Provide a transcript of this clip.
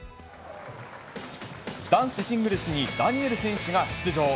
男子シングルスにダニエル選手が出場。